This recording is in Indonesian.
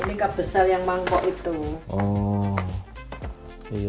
ini kak besar yang mangkok itu